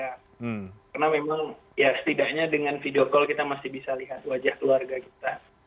karena memang ya setidaknya dengan video call kita masih bisa lihat wajah keluarga kita